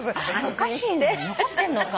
おかしいな残ってるのか。